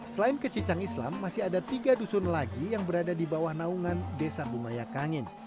selain kecicang islam masih ada tiga dusun lagi yang berada di bawah naungan desa bungayakangin